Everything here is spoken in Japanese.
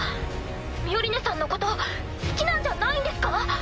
ミオリネさんのこと好きなんじゃないんですか？